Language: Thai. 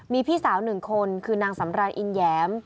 มีพี่สาว๑คนคือนางสำรานอินแหยม